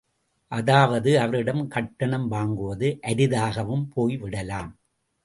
அதாவது, அவரிடம் கட்டணம் வாங்குவது அரிதாகவும் போய் விடலாம்.